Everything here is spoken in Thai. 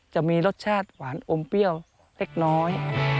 จะมีรสชาติหวานอมเปรี้ยวเล็กน้อย